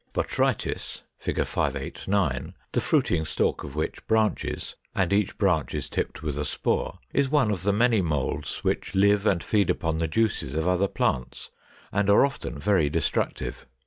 Botrytis (Fig. 589), the fruiting stalk of which branches, and each branch is tipped with a spore, is one of the many moulds which live and feed upon the juices of other plants or of animals, and are often very destructive.